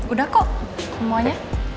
udah kok semuanya